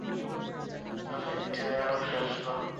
তারা এই দীনের অনুসারী ছিল।